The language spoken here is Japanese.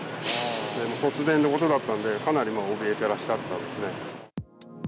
突然のことだったんで、かなりおびえてらっしゃったんですね。